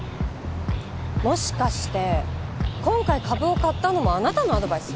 もしかして今回株を買ったのもあなたのアドバイス？